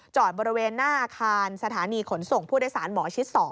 บริเวณหน้าอาคารสถานีขนส่งผู้โดยสารหมอชิด๒